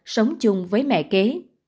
sống chung với mẹ kế